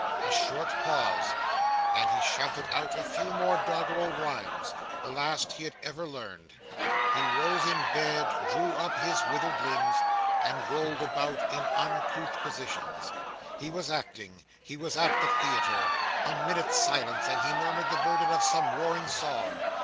A short pause, and he shouted out a few doggerel rhymes the last he had ever learned. He rose in bed, drew up his withered limbs, and rolled about in uncouth positions; he was acting he was at the theatre. A minute's silence, and he murmured the burden of some roaring song.